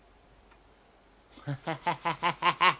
ハハハハハハハ！